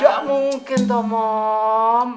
gak mungkin toh mom